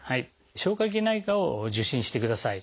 消化器内科を受診してください。